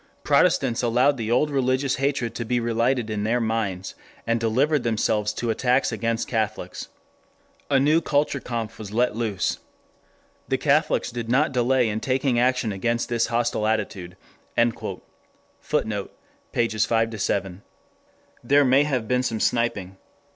_ Protestants allowed the old religious hatred to be relighted in their minds and delivered themselves to attacks against Catholics. A new Kulturkampf was let loose. "The Catholics did not delay in taking action against this hostile attitude." (Italics mine) [Footnote: Op. cit., pp. 5 7] There may have been some sniping.